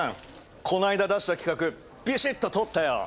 この間出した企画ビシッと通ったよ！